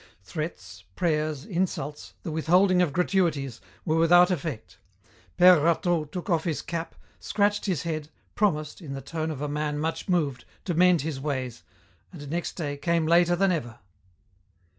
Threats, prayers, insults, the withholding of gratuities, were without effect. Père Rateau took off his cap, scratched his head, promised, in the tone of a man much moved, to mend his ways, and next day came later than ever.